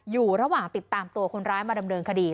อยู่ระหว่างติดตามตัวคนร้ายมาดำเนินคดี